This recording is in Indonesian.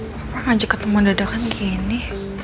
kenapa ngaji ketemu dedakan gini